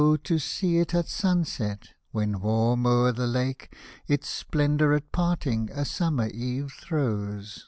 to see it at sunset, — when warm o'er the Lake Its splendour at parting a summer eve throws.